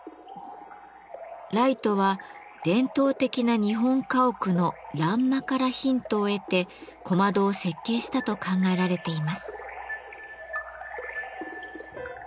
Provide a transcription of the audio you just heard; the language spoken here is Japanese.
ライトは伝統的な日本家屋の「欄間」からヒントを得て小窓を設計したと考えられています。